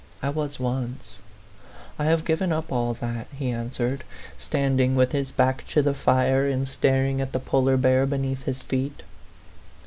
I was once. I have given up all that," he answered, standing with his back to the fire, and staring at the polar bear beneath his feet.